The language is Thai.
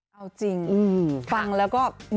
เอาจริงฟังแล้วก็